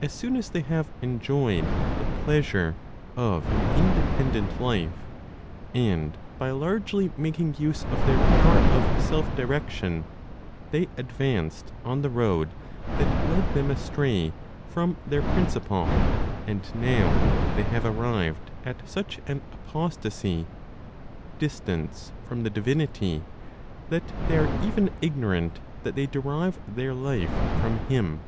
As soon as they have enjoyed the pleasure of an independent life, and by largely making use of their power of self direction, they advanced on the road that led them astray from their principle, and now they have arrived at such an "apostasy" (distance) from the Divinity, that they are even ignorant that they derive their life from Him.